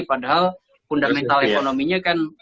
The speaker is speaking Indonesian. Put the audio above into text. padahal fundamental ekonominya